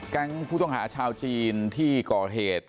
ผู้ต้องหาชาวจีนที่ก่อเหตุ